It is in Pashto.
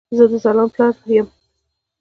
زه د ځلاند پلار يم